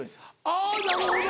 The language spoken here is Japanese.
あぁなるほど！